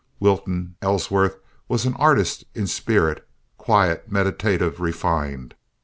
Wilton Ellsworth was an artist in spirit, quiet, meditative, refined.